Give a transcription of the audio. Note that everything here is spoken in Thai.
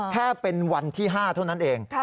แค่เป็นวันที่๕เท่านั้นเอง